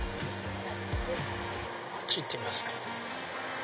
あっち行ってみますか。